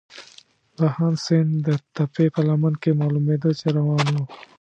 بهاند سیند د تپې په لمن کې معلومېده، چې روان وو.